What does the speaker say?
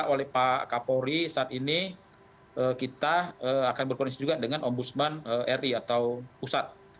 oleh pak kapori saat ini kita akan berkoordinasi juga dengan ombudsman eri atau pusat